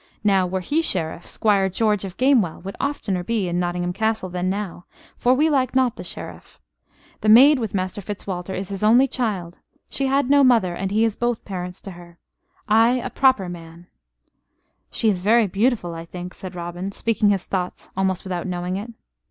Now, were he Sheriff, Squire George of Gamewell would oftener be in Nottingham Castle than now, for we like not the Sheriff. The maid with Master Fitzwalter is his only child. She has no mother; and he is both parents to her. Ay, a proper man " "She is very beautiful, I think," said Robin, speaking his thoughts almost without knowing it.